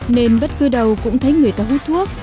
nên bất cứ đâu cũng thấy người ta hút thuốc